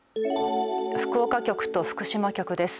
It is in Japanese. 福岡局と福島局です。